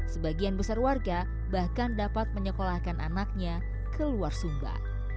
sebagian besar warga bahkan dapat menyekolahkan anaknya ke luar sumba